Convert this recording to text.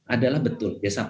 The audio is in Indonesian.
adalah betul biasa